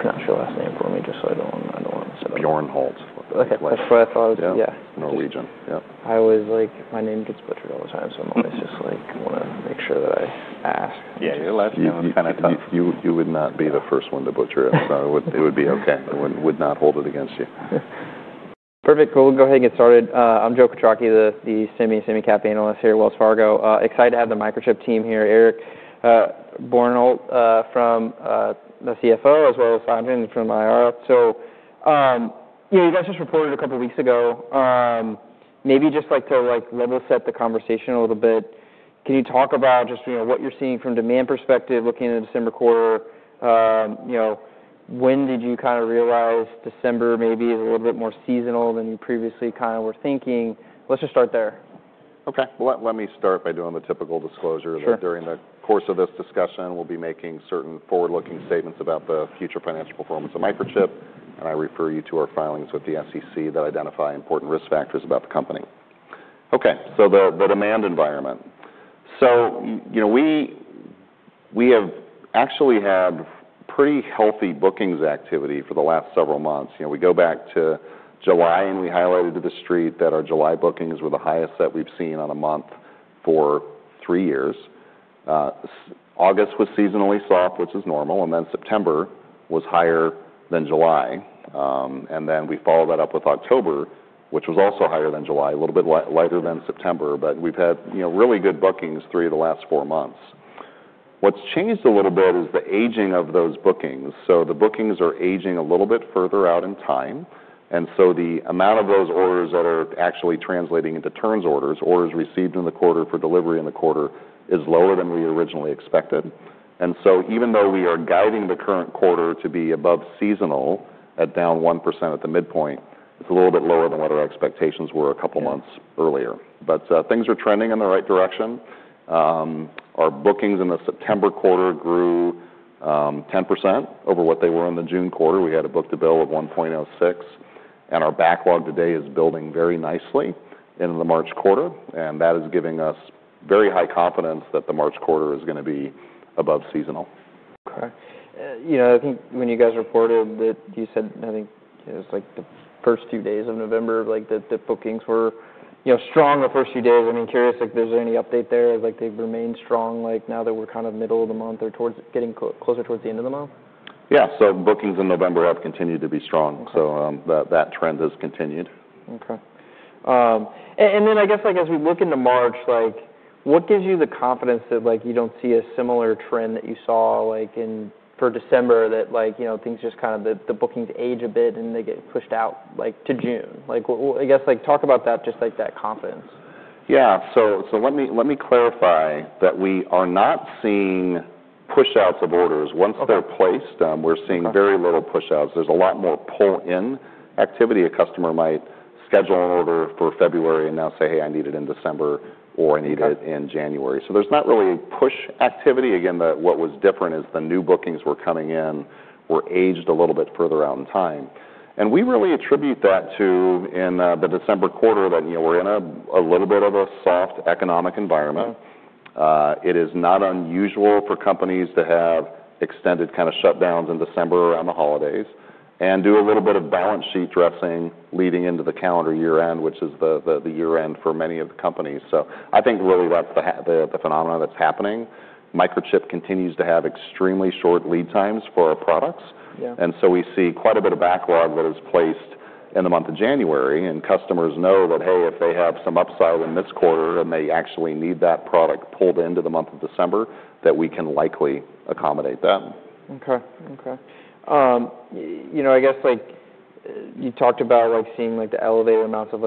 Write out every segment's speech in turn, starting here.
Capture last name for me just so I don't—I don't want to set up. Bjornholt. Okay. That's where I thought it was, yeah. Norwegian. Yeah. I was, like, my name gets butchered all the time, so I'm always just, like, want to make sure that I ask. Yeah, your last name is kind of tough. You would not be the first one to butcher it, so it would be okay. It would not hold it against you. Perfect. Cool. We'll go ahead and get started. I'm Joe Quatrochi, the Semis & Semi Cap analyst here at Wells Fargo. Excited to have the microchip team here. Eric Bjornholt from the CFO, as well as Sajid from IR. So, yeah, you guys just reported a couple of weeks ago. Maybe just, like, to level set the conversation a little bit, can you talk about just what you're seeing from a demand perspective looking into December quarter? When did you kind of realize December maybe is a little bit more seasonal than you previously kind of were thinking? Let's just start there. Okay. Let me start by doing the typical disclosure. Sure. During the course of this discussion, we'll be making certain forward-looking statements about the future financial performance of microchip, and I refer you to our filings with the SEC that identify important risk factors about the company. Okay. So the demand environment. So we have actually had pretty healthy bookings activity for the last several months. We go back to July, and we highlighted to the street that our July bookings were the highest that we've seen on a month for three years. August was seasonally soft, which is normal, and then September was higher than July. And then we follow that up with October, which was also higher than July, a little bit lighter than September, but we've had really good bookings through the last four months. What's changed a little bit is the aging of those bookings. So the bookings are aging a little bit further out in time, and so the amount of those orders that are actually translating into turns orders, orders received in the quarter for delivery in the quarter, is lower than we originally expected. And so even though we are guiding the current quarter to be above seasonal at down 1% at the midpoint, it's a little bit lower than what our expectations were a couple of months earlier. But things are trending in the right direction. Our bookings in the September quarter grew 10% over what they were in the June quarter. We had a book-to-bill of 1.06, and our backlog today is building very nicely into the March quarter, and that is giving us very high confidence that the March quarter is going to be above seasonal. Okay. I think when you guys reported that you said, I think it was the first few days of November, the bookings were strong the first few days. I'm curious, is there any update there? They've remained strong now that we're kind of middle of the month or towards getting closer towards the end of the month? Yeah. So bookings in November have continued to be strong, so that trend has continued. Okay. And then I guess as we look into March, what gives you the confidence that you don't see a similar trend that you saw for December, that things just kind of the bookings age a bit and they get pushed out to June? I guess talk about that, just that confidence. Yeah. So let me clarify that we are not seeing push-outs of orders. Once they're placed, we're seeing very little push-outs. There's a lot more pull-in activity. A customer might schedule an order for February and now say, "Hey, I need it in December," or, "I need it in January." So there's not really push activity. Again, what was different is the new bookings were coming in, were aged a little bit further out in time. And we really attribute that to, in the December quarter, that we're in a little bit of a soft economic environment. It is not unusual for companies to have extended kind of shutdowns in December around the holidays and do a little bit of balance sheet dressing leading into the calendar year-end, which is the year-end for many of the companies. So I think really that's the phenomena that's happening. Microchip continues to have extremely short lead times for our products, and so we see quite a bit of backlog that is placed in the month of January, and customers know that, hey, if they have some upside in this quarter and they actually need that product pulled into the month of December, that we can likely accommodate that. Okay. Okay. I guess you talked about seeing the elevated amounts of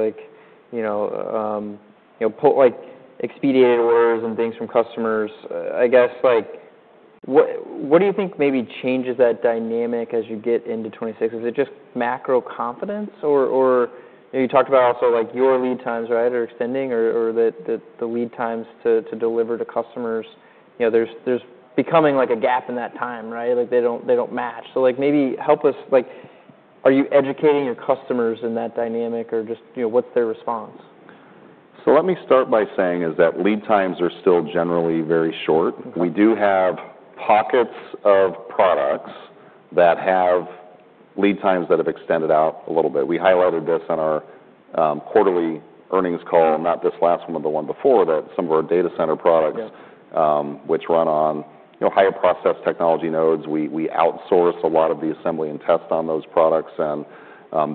expedient orders and things from customers. I guess what do you think maybe changes that dynamic as you get into '26? Is it just macro confidence, or you talked about also your lead times, right, are extending, or the lead times to deliver to customers? There's becoming a gap in that time, right? They don't match. So maybe help us, are you educating your customers in that dynamic, or just what's their response? So let me start by saying that lead times are still generally very short. We do have pockets of products that have lead times that have extended out a little bit. We highlighted this on our quarterly earnings call, not this last one but the one before, that some of our data center products, which run on higher process technology nodes, we outsource a lot of the assembly and test on those products, and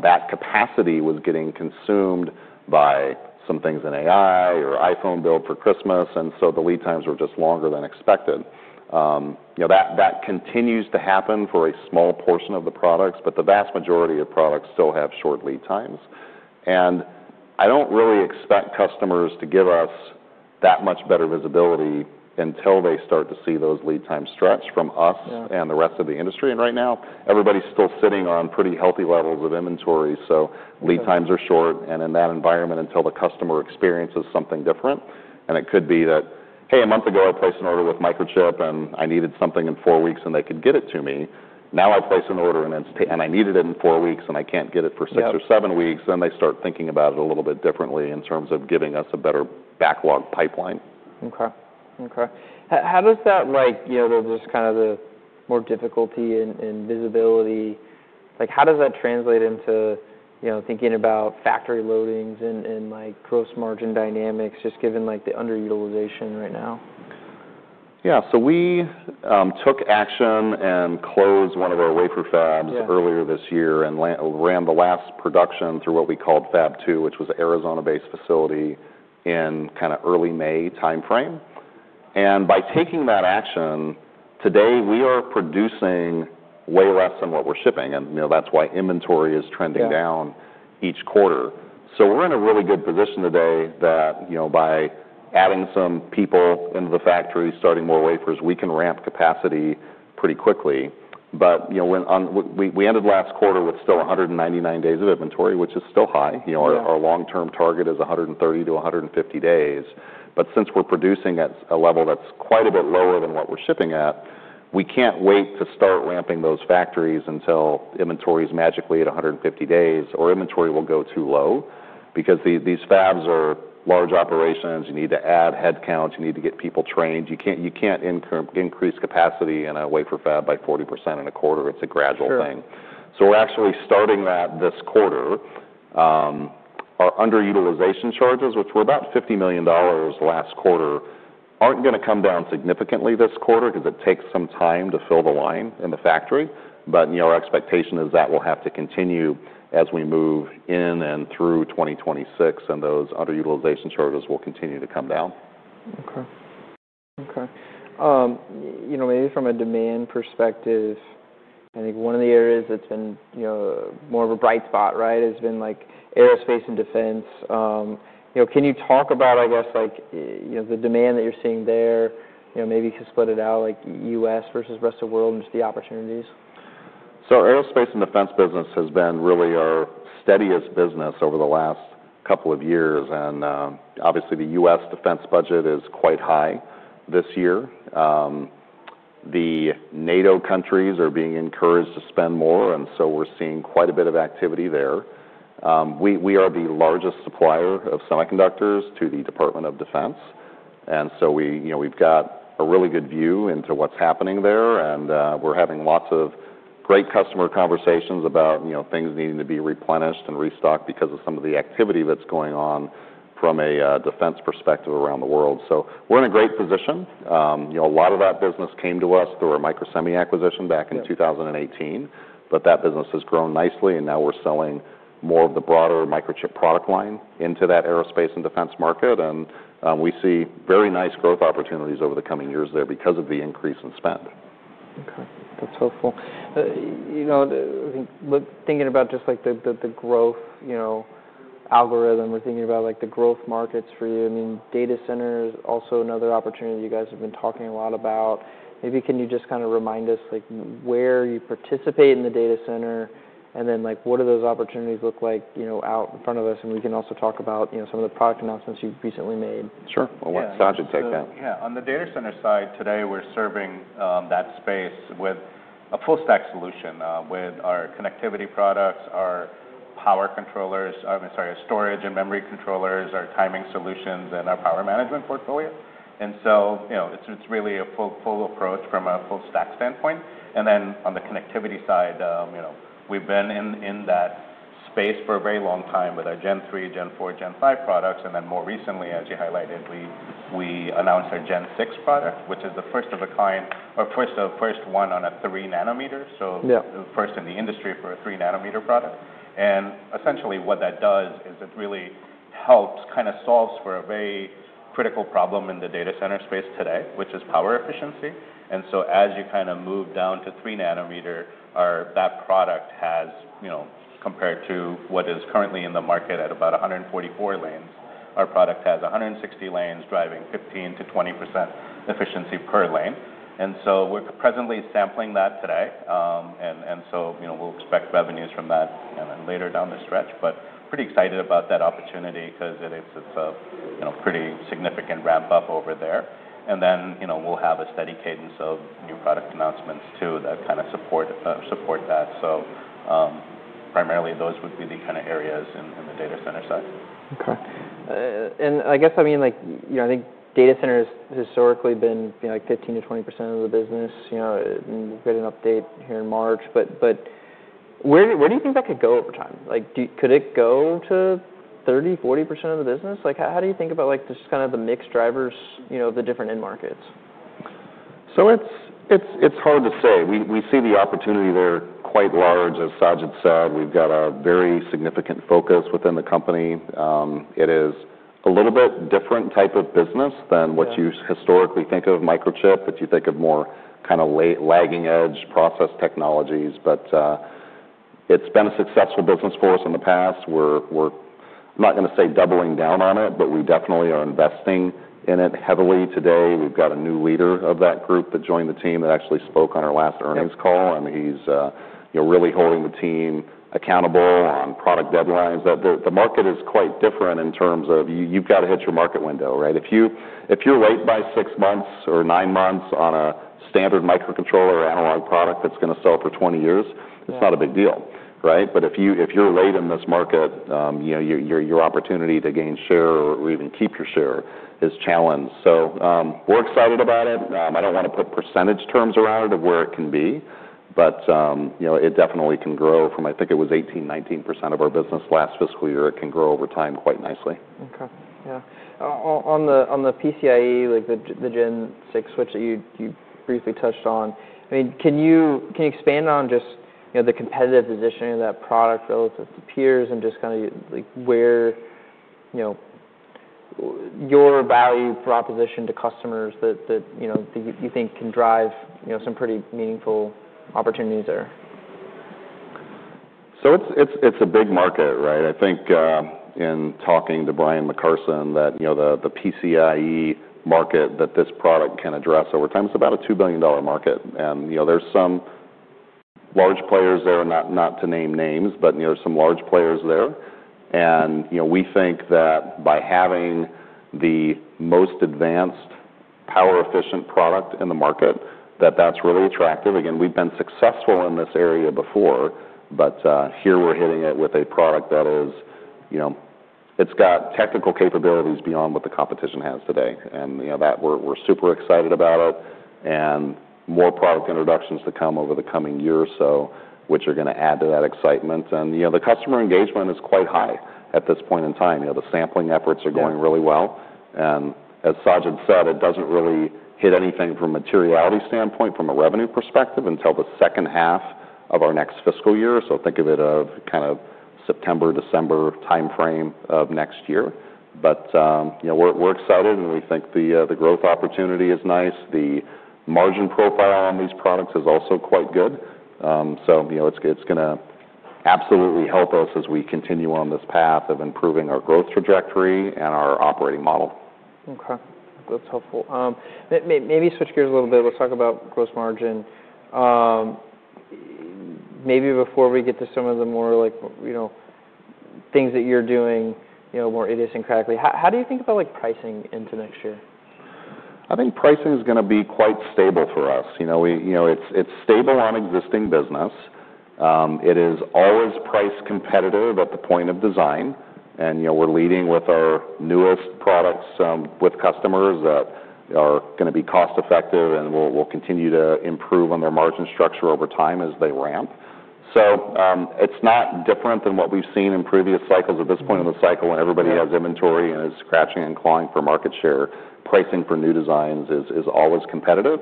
that capacity was getting consumed by some things in AI or iPhone build for Christmas, and so the lead times were just longer than expected. That continues to happen for a small portion of the products, but the vast majority of products still have short lead times. And I don't really expect customers to give us that much better visibility until they start to see those lead times stretch from us and the rest of the industry. And right now, everybody's still sitting on pretty healthy levels of inventory, so lead times are short, and in that environment, until the customer experiences something different. And it could be that, hey, a month ago I placed an order with Microchip, and I needed something in four weeks, and they could get it to me. Now I place an order, and I needed it in four weeks, and I can't get it for six or seven weeks, then they start thinking about it a little bit differently in terms of giving us a better backlog pipeline. Okay. Okay. How does that, just kind of the more difficulty in visibility, how does that translate into thinking about factory loadings and gross margin dynamics, just given the underutilization right now? Yeah. So we took action and closed one of our wafer fabs earlier this year and ran the last production through what we called Fab 2, which was an Arizona-based facility in kind of early May timeframe. And by taking that action, today we are producing way less than what we're shipping, and that's why inventory is trending down each quarter. So we're in a really good position today that by adding some people into the factory, starting more wafers, we can ramp capacity pretty quickly. But we ended last quarter with still 199 days of inventory, which is still high. Our long-term target is 130 to 150 days. But since we're producing at a level that's quite a bit lower than what we're shipping at, we can't wait to start ramping those factories until inventory is magically at 150 days, or inventory will go too low because these fabs are large operations. You need to add headcounts. You need to get people trained. You can't increase capacity in a wafer fab by 40% in a quarter. It's a gradual thing. So we're actually starting that this quarter. Our underutilization charges, which were about $50 million last quarter, aren't going to come down significantly this quarter because it takes some time to fill the line in the factory, but our expectation is that will have to continue as we move in and through 2026, and those underutilization charges will continue to come down. Okay. Okay. Maybe from a demand perspective, I think one of the areas that's been more of a bright spot, right, has been aerospace and defense. Can you talk about, I guess, the demand that you're seeing there? Maybe you could split it out, like U.S. versus rest of the world and just the opportunities. So aerospace and defense business has been really our steadiest business over the last couple of years, and obviously, the U.S. defense budget is quite high this year. The NATO countries are being encouraged to spend more, and so we're seeing quite a bit of activity there. We are the largest supplier of semiconductors to the Department of Defense, and so we've got a really good view into what's happening there, and we're having lots of great customer conversations about things needing to be replenished and restocked because of some of the activity that's going on from a defense perspective around the world. So we're in a great position. A lot of that business came to us through our Microsemi acquisition back in 2018, but that business has grown nicely, and now we're selling more of the broader microchip product line into that aerospace and defense market, and we see very nice growth opportunities over the coming years there because of the increase in spend. Okay. That's helpful. I think thinking about just the growth algorithm, we're thinking about the growth markets for you. I mean, data center is also another opportunity you guys have been talking a lot about. Maybe can you just kind of remind us where you participate in the data center, and then what do those opportunities look like out in front of us? And we can also talk about some of the product announcements you've recently made. Sure. I'll let Sajid take that. Yeah. On the data center side today, we're serving that space with a full-stack solution with our connectivity products, our power controllers, I'm sorry, our storage and memory controllers, our timing solutions, and our power management portfolio. And so it's really a full approach from a full-stack standpoint. And then on the connectivity side, we've been in that space for a very long time with our Gen 3, Gen 4, Gen 5 products, and then more recently, as you highlighted, we announced our Gen 6 product, which is the first of a kind, our first of a first one on a 3 nm, so the first in the industry for a 3 nm product. And essentially what that does is it really helps kind of solve for a very critical problem in the data center space today, which is power efficiency. And so as you kind of move down to 3 nm, that product has, compared to what is currently in the market at about 144 lanes, our product has 160 lanes driving 15%-20% efficiency per lane. And so we're presently sampling that today, and so we'll expect revenues from that later down the stretch, but pretty excited about that opportunity because it's a pretty significant ramp-up over there. And then we'll have a steady cadence of new product announcements too that kind of support that. So primarily those would be the kind of areas in the data center side. Okay. And I guess, I mean, I think data center has historically been like 15%-20% of the business. We've got an update here in March, but where do you think that could go over time? Could it go to 30%, 40% of the business? How do you think about just kind of the mixed drivers of the different end markets? So it's hard to say. We see the opportunity there quite large, as Sajid said. We've got a very significant focus within the company. It is a little bit different type of business than what you historically think of Microchip, that you think of more kind of lagging-edge process technologies, but it's been a successful business for us in the past. We're not going to say doubling down on it, but we definitely are investing in it heavily today. We've got a new leader of that group that joined the team that actually spoke on our last earnings call, and he's really holding the team accountable on product deadlines. The market is quite different in terms of you've got to hit your market window, right? If you're late by six months or nine months on a standard microcontroller or analog product that's going to sell for 20 years, it's not a big deal, right? But if you're late in this market, your opportunity to gain share or even keep your share is challenged. So we're excited about it. I don't want to put percentage terms around it of where it can be, but it definitely can grow from, I think it was 18, 19% of our business last fiscal year. It can grow over time quite nicely. Okay. Yeah. On the PCIe, the Gen 6 switch that you briefly touched on, I mean, can you expand on just the competitive positioning of that product relative to peers and just kind of where your value proposition to customers that you think can drive some pretty meaningful opportunities there? So it's a big market, right? I think in talking to Brian McCarson, that the PCIe market that this product can address over time, it's about a $2 billion market, and there's some large players there, not to name names, but there's some large players there. And we think that by having the most advanced power-efficient product in the market, that that's really attractive. Again, we've been successful in this area before, but here we're hitting it with a product that is, it's got technical capabilities beyond what the competition has today, and we're super excited about it. And more product introductions to come over the coming year or so, which are going to add to that excitement. And the customer engagement is quite high at this point in time. The sampling efforts are going really well. And as Sajid said, it doesn't really hit anything from a materiality standpoint, from a revenue perspective, until the second half of our next fiscal year. So think of it as kind of September, December timeframe of next year. But we're excited, and we think the growth opportunity is nice. The margin profile on these products is also quite good. So it's going to absolutely help us as we continue on this path of improving our growth trajectory and our operating model. Okay. That's helpful. Maybe switch gears a little bit. Let's talk about gross margin. Maybe before we get to some of the more things that you're doing more idiosyncratically, how do you think about pricing into next year? I think pricing is going to be quite stable for us. It's stable on existing business. It is always price competitive at the point of design, and we're leading with our newest products with customers that are going to be cost-effective, and we'll continue to improve on their margin structure over time as they ramp. So it's not different than what we've seen in previous cycles at this point in the cycle when everybody has inventory and is scratching and clawing for market share. Pricing for new designs is always competitive,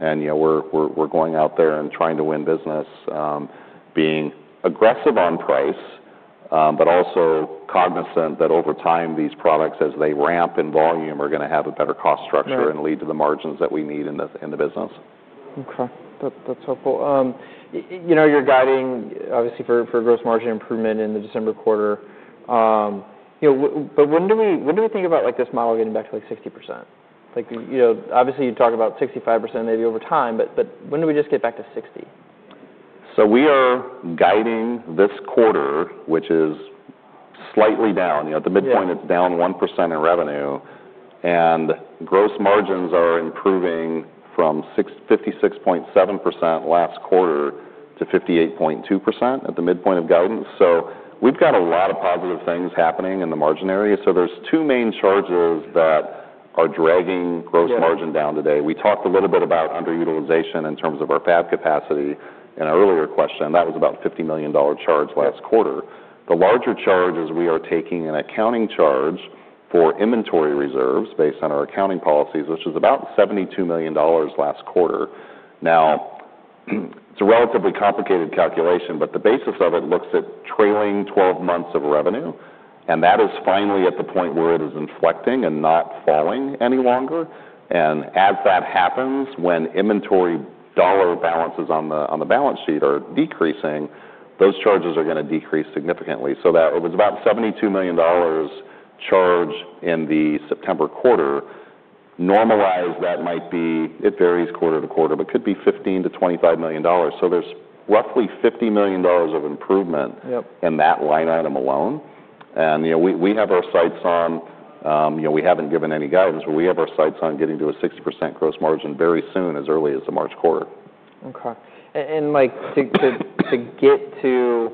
and we're going out there and trying to win business, being aggressive on price, but also cognizant that over time these products, as they ramp in volume, are going to have a better cost structure and lead to the margins that we need in the business. Okay. That's helpful. You're guiding, obviously, for gross margin improvement in the December quarter. But when do we think about this model getting back to 60%? Obviously, you talk about 65% maybe over time, but when do we just get back to 60%? So we are guiding this quarter, which is slightly down. At the midpoint, it's down 1% in revenue, and gross margins are improving from 56.7% last quarter to 58.2% at the midpoint of guidance. So we've got a lot of positive things happening in the margin area. So there's two main charges that are dragging gross margin down today. We talked a little bit about underutilization in terms of our fab capacity in our earlier question. That was about a $50 million charge last quarter. The larger charge is we are taking an accounting charge for inventory reserves based on our accounting policies, which was about $72 million last quarter. Now, it's a relatively complicated calculation, but the basis of it looks at trailing 12 months of revenue, and that is finally at the point where it is inflecting and not falling any longer. And as that happens, when inventory dollar balances on the balance sheet are decreasing, those charges are going to decrease significantly. So that was about a $72 million charge in the September quarter. Normalized, that might be, it varies quarter to quarter, but could be $15 million-$25 million. So there's roughly $50 million of improvement in that line item alone. And we have our sights on, we haven't given any guidance, but we have our sights on getting to a 60% gross margin very soon, as early as the March quarter. Okay. And to get to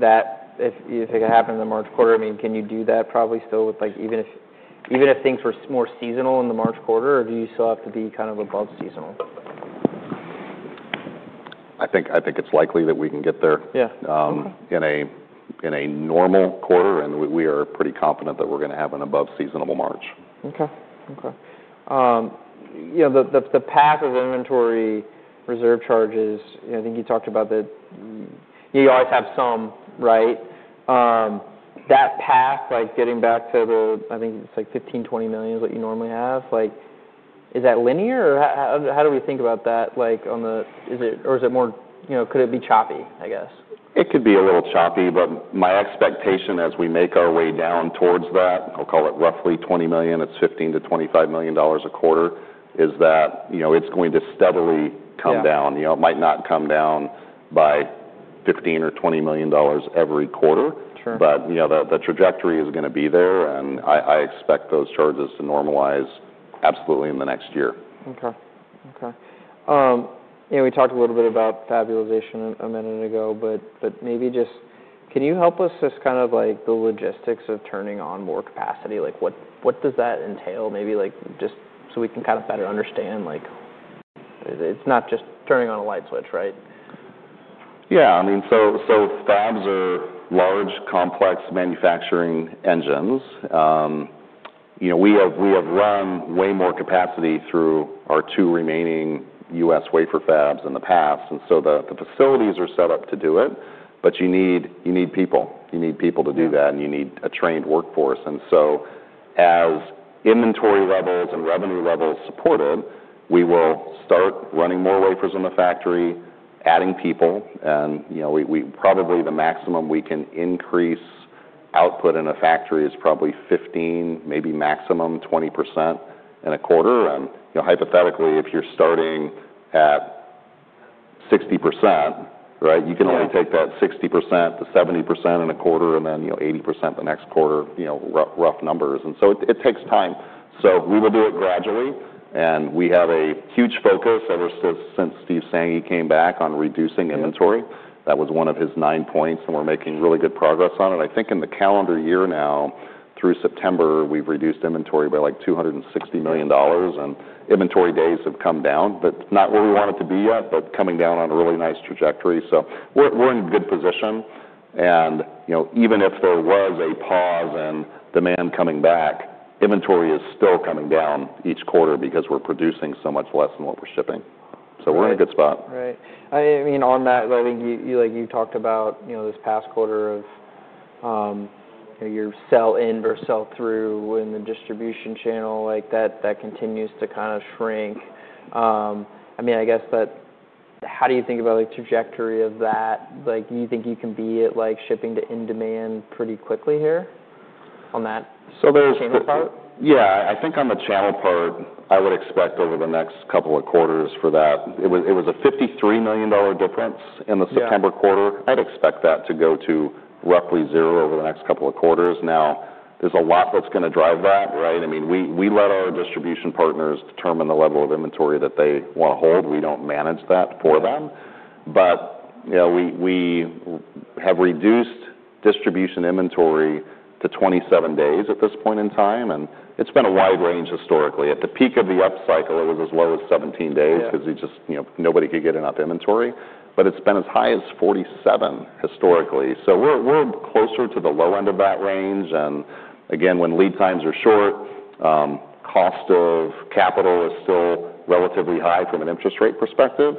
that, if it happens in the March quarter, I mean, can you do that probably still with even if things were more seasonal in the March quarter, or do you still have to be kind of above seasonal? I think it's likely that we can get there in a normal quarter, and we are pretty confident that we're going to have an above seasonable March. Okay. Okay. The path of inventory reserve charges, I think you talked about that you always have some, right? That path, getting back to the, I think it's like $15 million, $20 million is what you normally have. Is that linear, or how do we think about that? Or is it more, could it be choppy, I guess? It could be a little choppy, but my expectation as we make our way down towards that, I'll call it roughly $20 million. It's $15 million-$25 million a quarter, is that it's going to steadily come down. It might not come down by $15 million or $20 million every quarter, but the trajectory is going to be there, and I expect those charges to normalize absolutely in the next year. Okay. Okay. We talked a little bit about fabilization a minute ago, but maybe just can you help us just kind of the logistics of turning on more capacity? What does that entail? Maybe just so we can kind of better understand. It's not just turning on a light switch, right? Yeah. I mean, so fabs are large, complex manufacturing engines. We have run way more capacity through our two remaining U.S. wafer fabs in the past, and so the facilities are set up to do it, but you need people. You need people to do that, and you need a trained workforce. And so as inventory levels and revenue levels support it, we will start running more wafers in the factory, adding people, and probably the maximum we can increase output in a factory is probably 15, maybe maximum 20% in a quarter. And hypothetically, if you're starting at 60%, right, you can only take that 60% to 70% in a quarter and then 80% the next quarter, rough numbers. And so it takes time. So we will do it gradually, and we have a huge focus ever since Steve Sanghi came back on reducing inventory. That was one of his nine points, and we're making really good progress on it. I think in the calendar year now, through September, we've reduced inventory by like $260 million, and inventory days have come down, but not where we want it to be yet, but coming down on a really nice trajectory. So we're in a good position, and even if there was a pause in demand coming back, inventory is still coming down each quarter because we're producing so much less than what we're shipping. So we're in a good spot. Right. I mean, on that, I think you talked about this past quarter of your sell-in versus sell-through in the distribution channel, that continues to kind of shrink. I mean, I guess that how do you think about the trajectory of that? Do you think you can be at shipping to in-demand pretty quickly here on that channel part? So there's yeah. I think on the channel part, I would expect over the next couple of quarters for that. It was a $53 million difference in the September quarter. I'd expect that to go to roughly zero over the next couple of quarters. Now, there's a lot that's going to drive that, right? I mean, we let our distribution partners determine the level of inventory that they want to hold. We don't manage that for them. But we have reduced distribution inventory to 27 days at this point in time, and it's been a wide range historically. At the peak of the upcycle, it was as low as 17 days because nobody could get enough inventory, but it's been as high as 47 historically. So we're closer to the low end of that range. And again, when lead times are short, cost of capital is still relatively high from an interest rate perspective.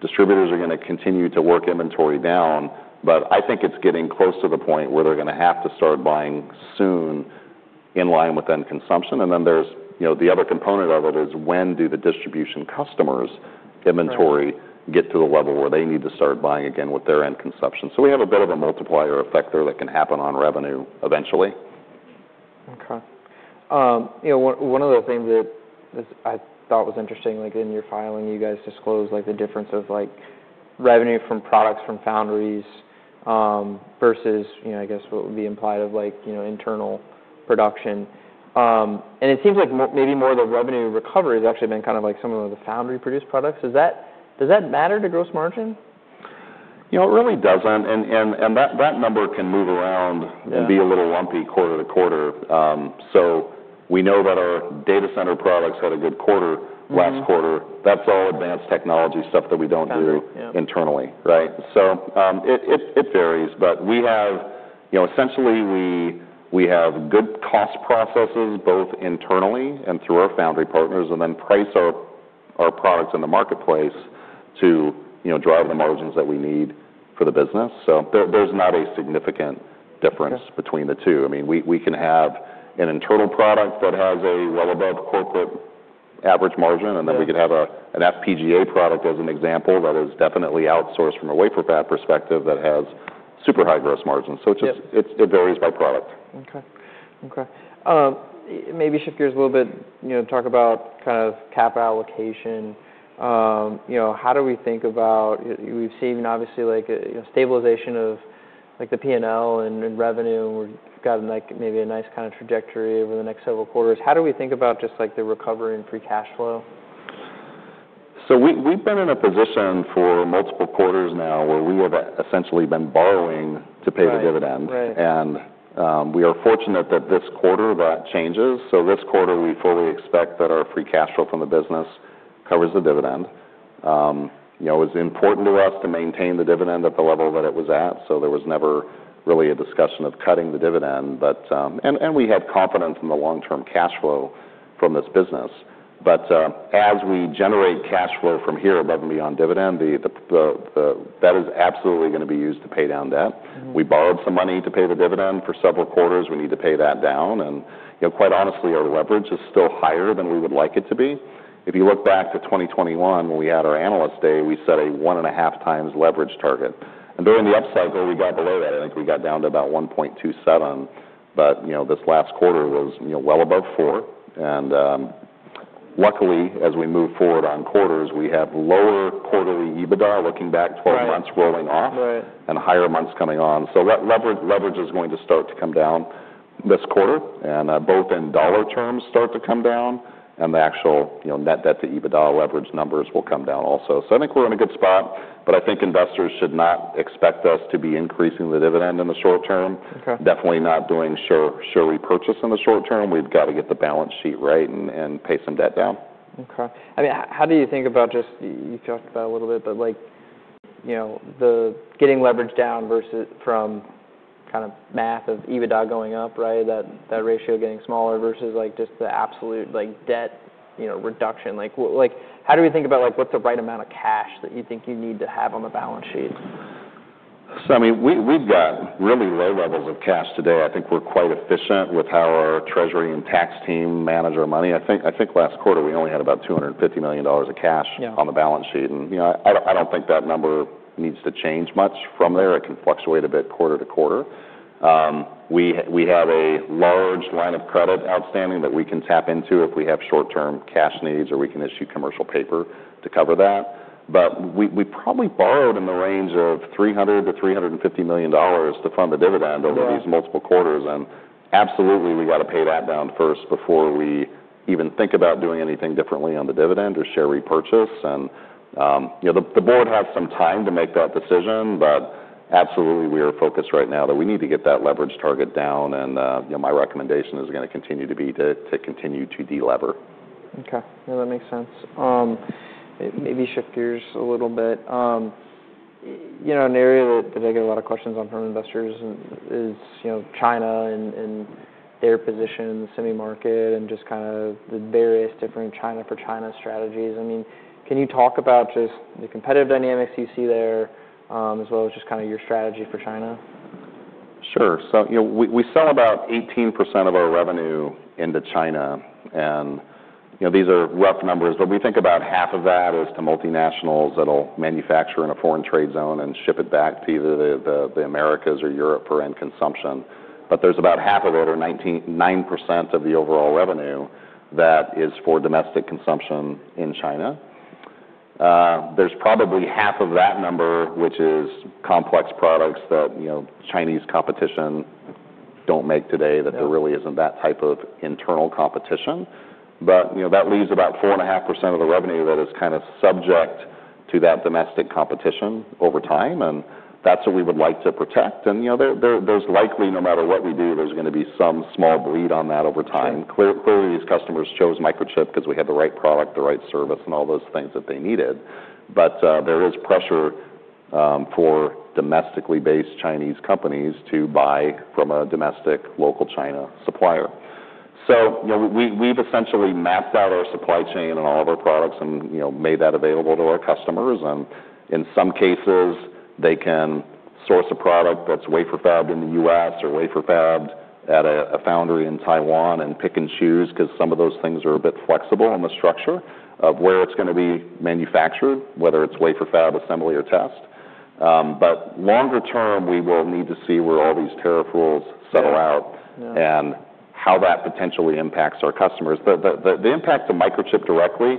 Distributors are going to continue to work inventory down, but I think it's getting close to the point where they're going to have to start buying soon in line with end consumption. And then there's the other component of it is when do the distribution customers' inventory get to the level where they need to start buying again with their end consumption? So we have a bit of a multiplier effect there that can happen on revenue eventually. Okay. One of the things that I thought was interesting in your filing, you guys disclosed the difference of revenue from products from foundries versus, I guess, what would be implied of internal production. And it seems like maybe more of the revenue recovery has actually been kind of some of the foundry-produced products. Does that matter to gross margin? It really doesn't. And that number can move around and be a little lumpy quarter to quarter. So we know that our data center products had a good quarter last quarter. That's all advanced technology stuff that we don't do internally, right? So it varies, but essentially, we have good cost processes both internally and through our foundry partners and then price our products in the marketplace to drive the margins that we need for the business. So there's not a significant difference between the two. I mean, we can have an internal product that has a well-above corporate average margin, and then we could have an FPGA product as an example that is definitely outsourced from a wafer fab perspective that has super high gross margins. So it varies by product. Okay. Okay. Maybe shift gears a little bit, talk about kind of cap allocation. How do we think about we've seen, obviously, stabilization of the P&L and revenue. We've gotten maybe a nice kind of trajectory over the next several quarters. How do we think about just the recovery in free cash flow? So we've been in a position for multiple quarters now where we have essentially been borrowing to pay the dividend. And we are fortunate that this quarter that changes. So this quarter, we fully expect that our free cash flow from the business covers the dividend. It was important to us to maintain the dividend at the level that it was at. So there was never really a discussion of cutting the dividend. And we had confidence in the long-term cash flow from this business. But as we generate cash flow from here above and beyond dividend, that is absolutely going to be used to pay down debt. We borrowed some money to pay the dividend for several quarters. We need to pay that down. And quite honestly, our leverage is still higher than we would like it to be. If you look back to 2021, when we had our analyst day, we set a one and a half times leverage target. And during the upcycle, we got below that. I think we got down to about 1.27, but this last quarter was well above 4. And luckily, as we move forward on quarters, we have lower quarterly EBITDA looking back 12 months rolling off and higher months coming on. So leverage is going to start to come down this quarter, and both in dollar terms start to come down, and the actual net debt to EBITDA leverage numbers will come down also. So I think we're in a good spot, but I think investors should not expect us to be increasing the dividend in the short term. Definitely not doing share repurchase in the short term. We've got to get the balance sheet right and pay some debt down. Okay. I mean, how do you think about just you talked about a little bit, but getting leverage down from kind of math of EBITDA going up, right? That ratio getting smaller versus just the absolute debt reduction. How do we think about what's the right amount of cash that you think you need to have on the balance sheet? So I mean, we've got really low levels of cash today. I think we're quite efficient with how our treasury and tax team manage our money. I think last quarter, we only had about $250 million of cash on the balance sheet, and I don't think that number needs to change much from there. It can fluctuate a bit quarter to quarter. We have a large line of credit outstanding that we can tap into if we have short-term cash needs, or we can issue commercial paper to cover that. But we probably borrowed in the range of $300 million-$350 million to fund the dividend over these multiple quarters. And absolutely, we got to pay that down first before we even think about doing anything differently on the dividend or share repurchase. And the board has some time to make that decision, but absolutely, we are focused right now that we need to get that leverage target down, and my recommendation is going to continue to be to continue to delever. Okay. Yeah, that makes sense. Maybe shift gears a little bit. An area that I get a lot of questions on from investors is China and their position in the semi-market and just kind of the various different China for China strategies. I mean, can you talk about just the competitive dynamics you see there as well as just kind of your strategy for China? Sure. So we sell about 18% of our revenue into China, and these are rough numbers, but we think about half of that is to multinationals that will manufacture in a foreign trade zone and ship it back to either the Americas or Europe for end consumption. But there's about half of it, or 9% of the overall revenue, that is for domestic consumption in China. There's probably half of that number, which is complex products that Chinese competition don't make today, that there really isn't that type of internal competition. But that leaves about 4.5% of the revenue that is kind of subject to that domestic competition over time, and that's what we would like to protect. And there's likely, no matter what we do, there's going to be some small bleed on that over time. Clearly, these customers chose Microchip because we had the right product, the right service, and all those things that they needed. But there is pressure for domestically based Chinese companies to buy from a domestic local China supplier. So we've essentially mapped out our supply chain and all of our products and made that available to our customers. And in some cases, they can source a product that's wafer fabbed in the U.S. or wafer fabbed at a foundry in Taiwan and pick and choose because some of those things are a bit flexible in the structure of where it's going to be manufactured, whether it's wafer fab assembly or test. But longer term, we will need to see where all these tariff rules settle out and how that potentially impacts our customers. The impact of Microchip directly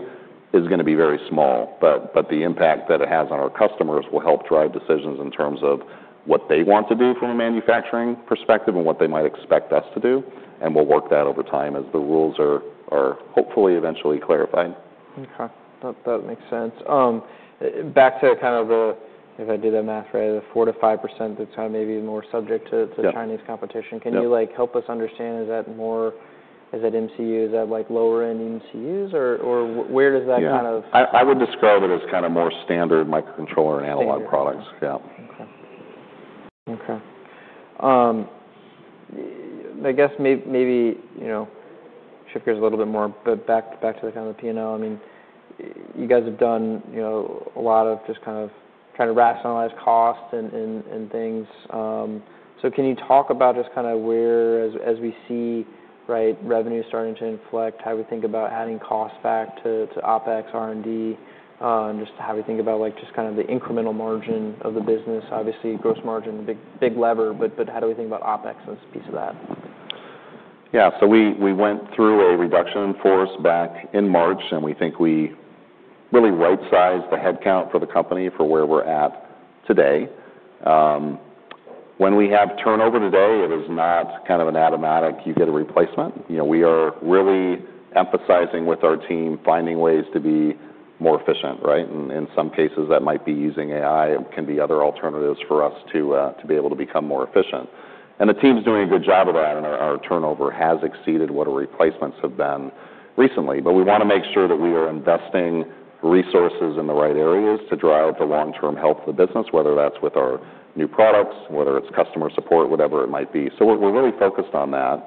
is going to be very small, but the impact that it has on our customers will help drive decisions in terms of what they want to do from a manufacturing perspective and what they might expect us to do. And we'll work that over time as the rules are hopefully eventually clarified. Okay. That makes sense. Back to kind of the, if I did that math right, the 4%-5% that's kind of maybe more subject to Chinese competition. Can you help us understand, is that MCUs at lower-end MCUs, or where does that kind of? Yeah. I would describe it as kind of more standard microcontroller and analog products. Yeah. Okay. Okay. I guess maybe shift gears a little bit more, but back to kind of the P&L. I mean, you guys have done a lot of just kind of trying to rationalize costs and things. So can you talk about just kind of where, as we see, right, revenue starting to inflect, how we think about adding costs back to OPEX, R&D, just how we think about just kind of the incremental margin of the business? Obviously, gross margin, big lever, but how do we think about OPEX as a piece of that? Yeah. So we went through a reduction force back in March, and we think we really right-sized the headcount for the company for where we're at today. When we have turnover today, it is not kind of an automatic you get a replacement. We are really emphasizing with our team finding ways to be more efficient, right? In some cases, that might be using AI. It can be other alternatives for us to be able to become more efficient. And the team's doing a good job of that, and our turnover has exceeded what our replacements have been recently. But we want to make sure that we are investing resources in the right areas to drive the long-term health of the business, whether that's with our new products, whether it's customer support, whatever it might be. So we're really focused on that.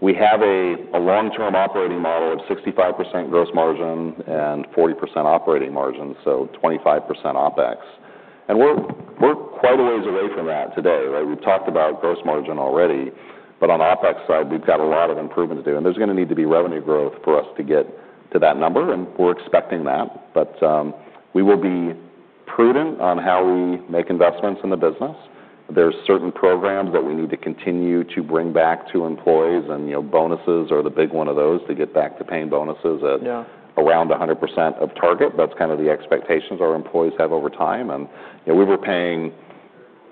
We have a long-term operating model of 65% gross margin and 40% operating margin, so 25% OPEX. And we're quite a ways away from that today, right? We've talked about gross margin already, but on the OPEX side, we've got a lot of improvement to do. And there's going to need to be revenue growth for us to get to that number, and we're expecting that. But we will be prudent on how we make investments in the business. There are certain programs that we need to continue to bring back to employees, and bonuses are the big one of those to get back to paying bonuses at around 100% of target. That's kind of the expectations our employees have over time. And we were paying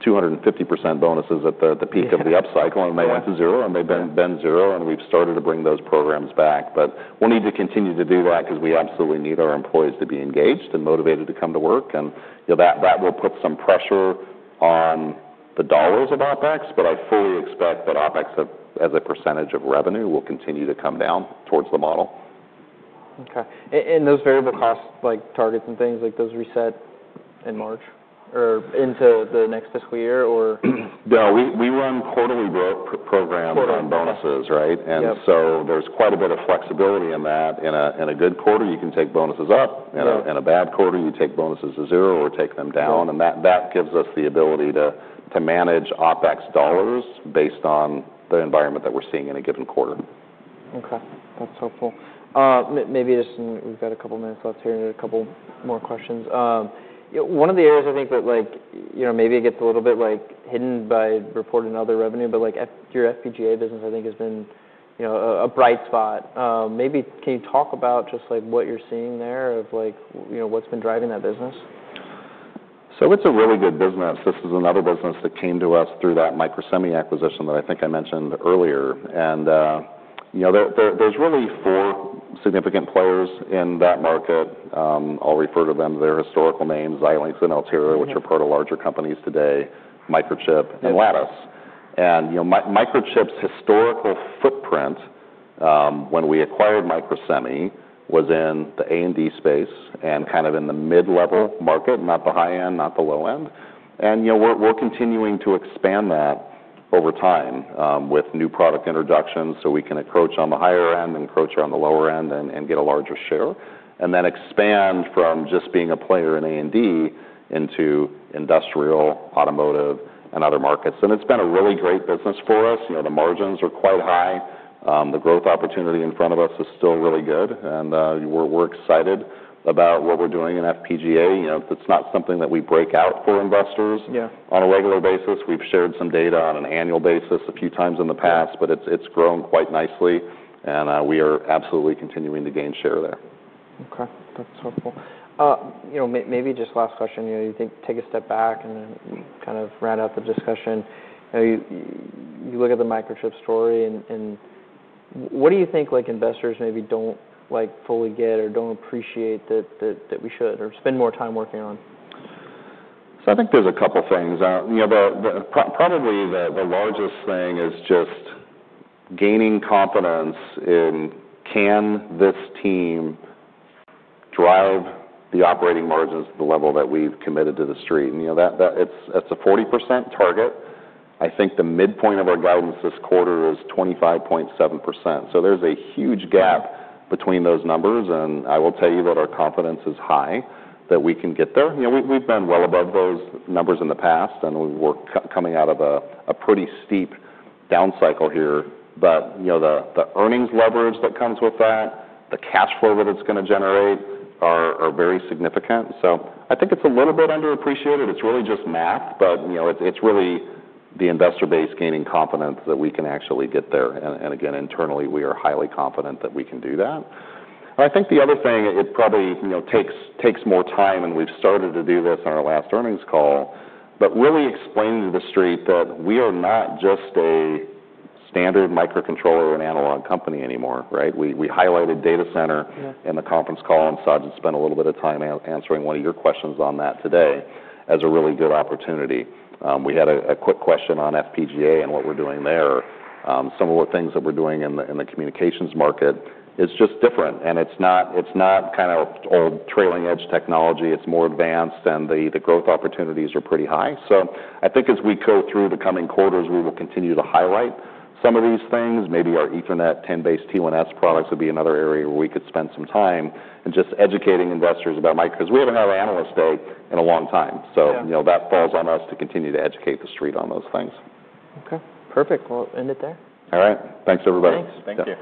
250% bonuses at the peak of the upcycle, and they went to zero, and they've been zero, and we've started to bring those programs back. But we'll need to continue to do that because we absolutely need our employees to be engaged and motivated to come to work. And that will put some pressure on the dollars of OPEX, but I fully expect that OPEX, as a percentage of revenue, will continue to come down towards the model. Okay. And those variable cost targets and things, those reset in March or into the next fiscal year, or? No. We run quarterly program on bonuses, right? And so there's quite a bit of flexibility in that. In a good quarter, you can take bonuses up. In a bad quarter, you take bonuses to zero or take them down. And that gives us the ability to manage OPEX dollars based on the environment that we're seeing in a given quarter. Okay. That's helpful. Maybe just we've got a couple of minutes left here and a couple more questions. One of the areas I think that maybe it gets a little bit hidden by reported other revenue, but your FPGA business, I think, has been a bright spot. Maybe can you talk about just what you're seeing there of what's been driving that business? So it's a really good business. This is another business that came to us through that MicroSemi acquisition that I think I mentioned earlier. And there's really four significant players in that market. I'll refer to them to their historical names: Xilinx and Alterra, which are part of larger companies today, Microchip, and Lattice. And Microchip's historical footprint when we acquired MicroSemi was in the A&D space and kind of in the mid-level market, not the high end, not the low end. And we're continuing to expand that over time with new product introductions so we can encroach on the higher end, encroach on the lower end, and get a larger share, and then expand from just being a player in A&D into industrial, automotive, and other markets. And it's been a really great business for us. The margins are quite high. The growth opportunity in front of us is still really good. And we're excited about what we're doing in FPGA. It's not something that we break out for investors on a regular basis. We've shared some data on an annual basis a few times in the past, but it's grown quite nicely, and we are absolutely continuing to gain share there. Okay. That's helpful. Maybe just last question. You take a step back, and then we kind of round out the discussion. You look at the Microchip story, and what do you think investors maybe don't fully get or don't appreciate that we should or spend more time working on? So I think there's a couple of things. Probably the largest thing is just gaining confidence in can this team drive the operating margins to the level that we've committed to the street. That's a 40% target. I think the midpoint of our guidance this quarter is 25.7%. So there's a huge gap between those numbers, and I will tell you that our confidence is high that we can get there. We've been well above those numbers in the past, and we're coming out of a pretty steep down cycle here. But the earnings leverage that comes with that, the cash flow that it's going to generate are very significant. So I think it's a little bit underappreciated. It's really just math, but it's really the investor base gaining confidence that we can actually get there. And again, internally, we are highly confident that we can do that. I think the other thing, it probably takes more time, and we've started to do this on our last earnings call, but really explaining to the street that we are not just a standard microcontroller and analog company anymore, right? We highlighted data center in the conference call, and Sajid spent a little bit of time answering one of your questions on that today as a really good opportunity. We had a quick question on FPGA and what we're doing there. Some of the things that we're doing in the communications market is just different, and it's not kind of old trailing edge technology. It's more advanced, and the growth opportunities are pretty high. So I think as we go through the coming quarters, we will continue to highlight some of these things. Maybe our Ethernet 10BASE-T1S products would be another area where we could spend some time and just educating investors about Microchip because we haven't had an analyst day in a long time. So that falls on us to continue to educate the street on those things. Okay. Perfect. We'll end it there. All right. Thanks, everybody. Thanks. Thank you.